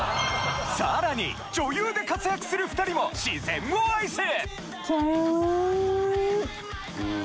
さらに女優で活躍する２人も自然を愛す！